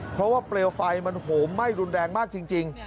เพราะว่าเปลวไฟมันโหมไหม้รุนแรงมากจริง